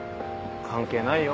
関係ないよ